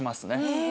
へえ。